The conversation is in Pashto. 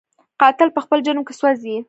قاتل په خپل جرم کې سوځي